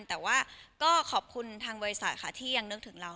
แต่ว่าก็ขอบคุณทางบริษัทค่ะที่ยังนึกถึงเรา